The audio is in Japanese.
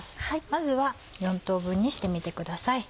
まずは４等分にしてみてください。